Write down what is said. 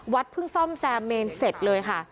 เพิ่งซ่อมแซมเมนเสร็จเลยค่ะ